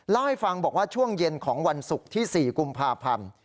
เล่าให้ฟังบอกว่าช่วงเย็นของวันศุกร์ที่๔กุมภาพันธ์